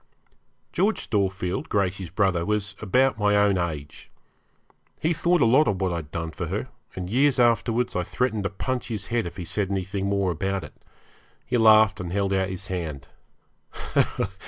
George Storefield, Gracey's brother, was about my own age. He thought a lot of what I'd done for her, and years afterwards I threatened to punch his head if he said anything more about it. He laughed, and held out his hand.